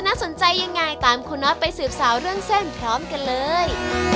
น่าสนใจยังไงตามคุณน็อตไปสืบสาวเรื่องเส้นพร้อมกันเลย